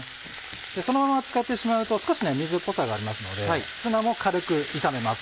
そのまま使ってしまうと少し水っぽさがありますのでツナも軽く炒めます